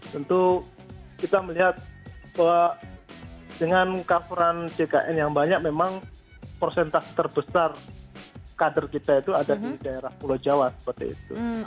tentu kita melihat bahwa dengan coveran jkn yang banyak memang prosentase terbesar kader kita itu ada di daerah pulau jawa seperti itu